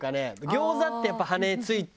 餃子ってやっぱ羽根ついて。